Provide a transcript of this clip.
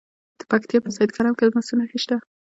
د پکتیا په سید کرم کې د مسو نښې شته.